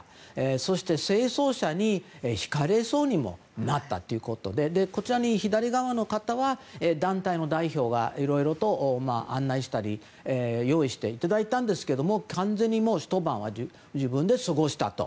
そして、清掃車にひかれそうにもなったということでこちらの左側の方は団体の代表でいろいろと案内したり用意していただいたんですけど完全にひと晩は自分で過ごしたと。